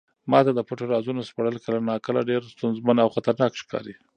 ما ته د پټو رازونو سپړل کله ناکله ډېر ستونزمن او خطرناک ښکاري.